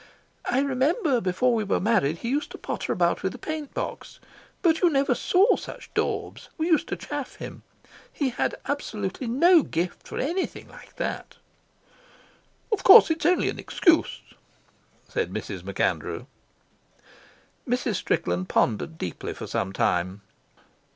"I remember before we were married he used to potter about with a paint box. But you never saw such daubs. We used to chaff him. He had absolutely no gift for anything like that." "Of course it's only an excuse," said Mrs. MacAndrew. Mrs. Strickland pondered deeply for some time.